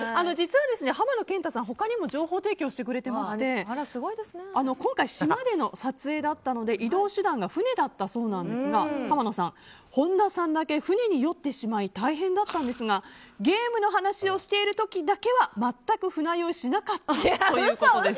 浜野謙太さんは他にも情報提供してくれていまして今回、島での撮影だったので移動手段が船だったそうですが浜野さんによると、本田さんだけ船に酔ってしまい大変だったんですがゲームの話をしている時だけは全く船酔いしなかったということで。